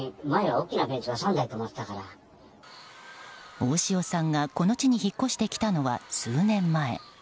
大塩さんが、この地に引っ越してきたのは数年前。